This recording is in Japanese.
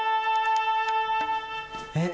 えっ？